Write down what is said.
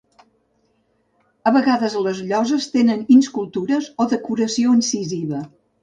A vegades les lloses tenen inscultures o decoració incisa.